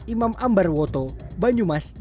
imam ambar woto banyumas jepang